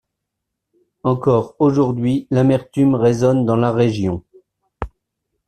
Encore aujourd'hui, l'amertume résonne dans la région.